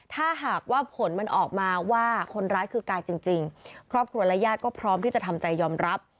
ถ้าหากว่าผลมันออกมาว่าคนร้ายคือกายจริงครอบครัวและญาติก็พร้อมที่จะทำใจยอมรับ